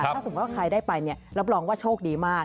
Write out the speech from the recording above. ถ้าสมมุติว่าใครได้ไปรับรองว่าโชคดีมาก